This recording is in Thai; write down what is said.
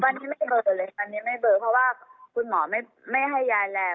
วันนี้ไม่เบลอเลยวันนี้ไม่เบลอเพราะว่าคุณหมอไม่ให้ยาแรง